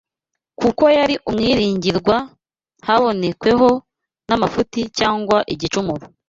kuko yari umwiringirwa, ntabonekweho n’amafuti cyangwa igicumuro